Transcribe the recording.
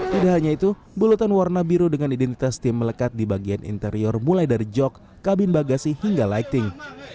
tidak hanya itu bulutan warna biru dengan identitas tim melekat di bagian interior mulai dari jog kabin bagasi hingga lighting